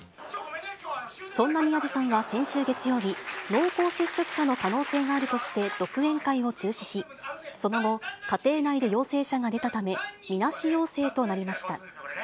そんな宮治さんは先週月曜日、濃厚接触者の可能性があるとして、独演会を中止し、その後、家庭内で陽性者が出たため、みなし陽性となりました。